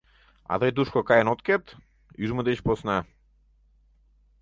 — А тый тушко каен от керт... ӱжмӧ деч посна?